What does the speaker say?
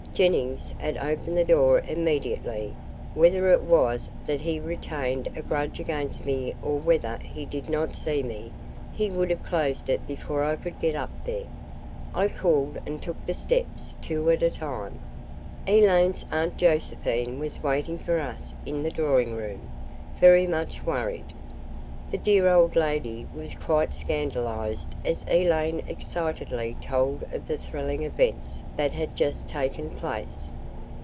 Jennings had opened the door immediately. Whether it was that he retained a grudge against me or whether he did not see me, he would have closed it before I could get up there. I called and took the steps two at a time. Elaine's Aunt Josephine was waiting for us in the drawing room, very much worried. The dear old lady was quite scandalized as Elaine excitedly told of the thrilling events that had just taken place.